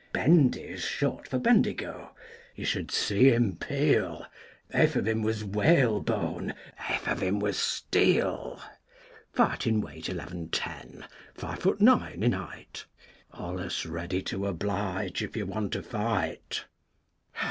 Bendy's short for Bendigo. You should see him peel! Half of him was whalebone, half of him was steel, Fightin' weight eleven ten, five foot nine in height, Always ready to oblige if you want a fight.